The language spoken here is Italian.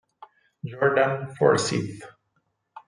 Jordan Forsythe